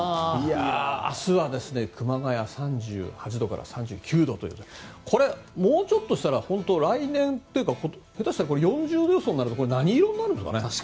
明日は熊谷３８度から３９度ということでこれ、もうちょっとしたら来年というか下手したら４０度予想になると何色になるんですかね。